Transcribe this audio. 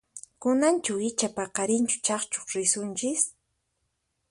Kunanchu icha paqarinchu chakchuq risunchis?